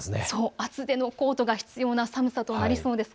厚手のコートが必要な寒さとなりそうです。